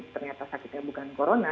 ternyata sakitnya bukan corona